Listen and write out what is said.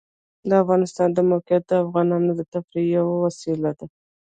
د افغانستان د موقعیت د افغانانو د تفریح یوه وسیله ده.